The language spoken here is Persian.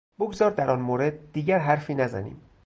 بگذار در آن مورد دیگر حرفی نزنیم.